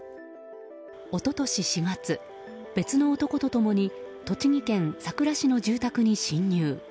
一昨年４月、別の男と共に栃木県さくら市の住宅に侵入。